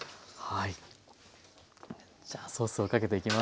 はい。